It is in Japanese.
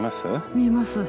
見えます。